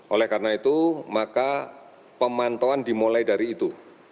oleh karena itu maka pemantauan dimulai dari itu